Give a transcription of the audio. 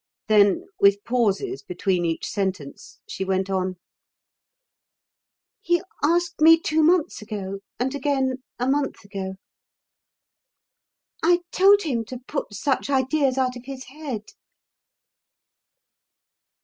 Then, with pauses between each sentence, she went on: "He asked me two months ago, and again a month ago. I told him to put such ideas out of his head.